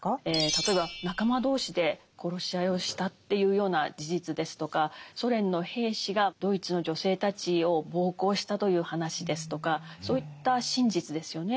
例えば仲間同士で殺し合いをしたっていうような事実ですとかソ連の兵士がドイツの女性たちを暴行したという話ですとかそういった真実ですよね。